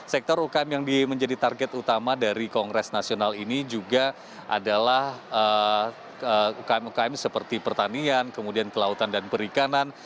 sektor ukm yang menjadi target utama dari kongres nasional ini juga adalah ukm ukm seperti pertanian kemudian kelautan dan perikanan